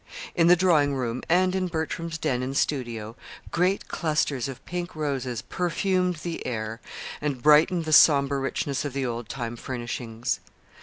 In the drawing room and in Bertram's den and studio, great clusters of pink roses perfumed the air, and brightened the sombre richness of the old time furnishings.